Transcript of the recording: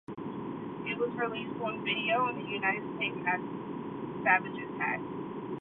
It was released on video in the United States as "Savage Attack".